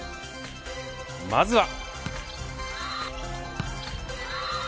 まずは。